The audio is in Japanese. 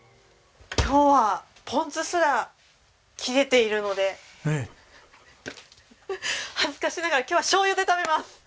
今日はポン酢すら切れているので恥ずかしながら今日はしょうゆで食べます！